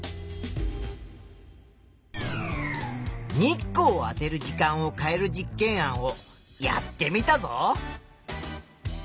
日光をあてる時間を変える実験案をやってみたぞ。